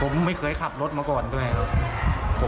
ผมไม่เคยขับรถมาก่อนด้วยครับ